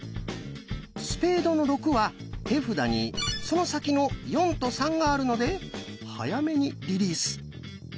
「スペードの６」は手札にその先の「４」と「３」があるので早めにリリース。